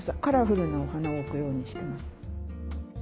カラフルなお花を置くようにしてます。